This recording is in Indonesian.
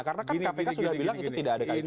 karena kan kpk sudah bilang itu tidak ada kaitannya